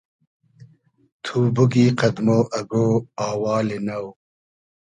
تو بوگی قئد مۉ اگۉ آوالی نۆ